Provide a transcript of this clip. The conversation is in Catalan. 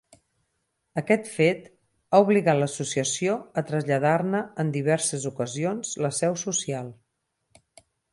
Aquest fet ha obligat l'associació a traslladar-ne en diverses ocasions la seu social.